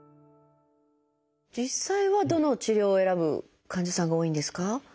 実際はどの治療を選ぶ患者さんが多いんですか？